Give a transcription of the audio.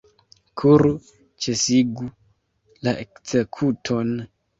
Kuru, ĉesigu la ekzekuton!